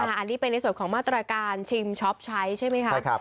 อันนี้เป็นในส่วนของมาตรการชิมช็อปใช้ใช่ไหมคะ